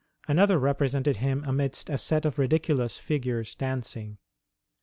Another represented him amidst a set of ridiculous figures dancing.